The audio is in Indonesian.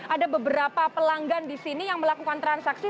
ada beberapa pelanggan di sini yang melakukan transaksi